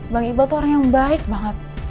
bang iqbal tuh orang yang baik banget